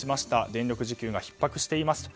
電力需給がひっ迫していますと。